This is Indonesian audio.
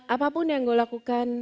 apapun yang gue lakukan